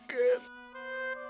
kau masih ga ngeri